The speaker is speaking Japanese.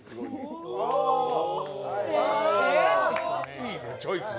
いいねチョイス。